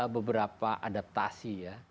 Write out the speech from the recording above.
beberapa adaptasi ya